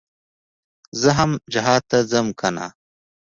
زه هم جهاد ته ځم کنه.